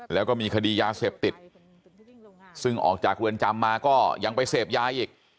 แล้วก็มีคดียาเสพติดซึ่งออกจากเรือนจำมาก็ยังไปเสพยาอีก